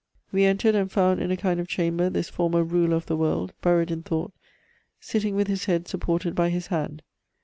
We entered and found in a kind of chamber this former ruler of the world buried in thought, sitting with his head supported by his hand.